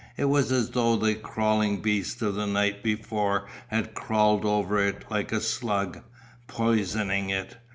It was as though the crawling beast of the night before had crawled over it like a slug, poisoning it.